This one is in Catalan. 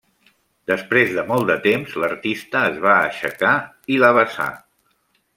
Després de molt de temps, l'artista es va aixecar, i la besà.